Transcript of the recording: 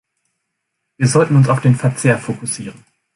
Wir sollten uns auf den Verzehr fokussieren.